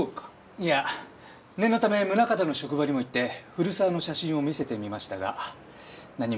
いや念のため宗形の職場にも行って古沢の写真を見せてみましたが何も出ませんね。